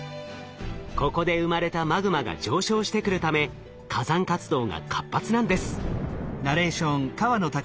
ここで生まれたマグマが上昇してくるため火山活動が活発なんです。